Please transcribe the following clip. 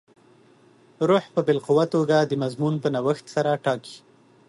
روح په باالقوه توګه د مضمون په نوښت سره ټاکي.